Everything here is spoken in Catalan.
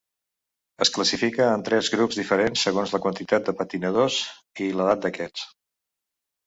Es classifica en tres grups diferents segons la quantitat de patinadors i l'edat d'aquests.